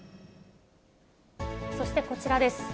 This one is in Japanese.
そしてこちらです。